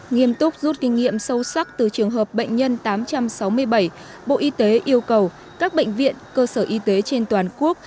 nghiêm túc rút kinh nghiệm sâu sắc từ trường hợp bệnh nhân tám trăm sáu mươi bảy bộ y tế yêu cầu các bệnh viện cơ sở y tế trên toàn quốc